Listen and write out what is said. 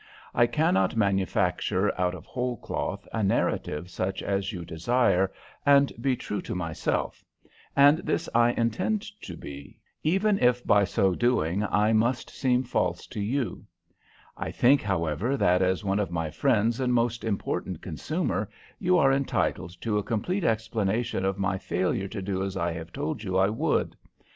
I cannot manufacture out of whole cloth a narrative such as you desire and be true to myself, and this I intend to be, even if by so doing I must seem false to you. I think, however, that, as one of my friends and most important consumer, you are entitled to a complete explanation of my failure to do as I have told you I would.